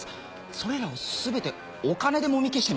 それらを全てお金でもみ消しています。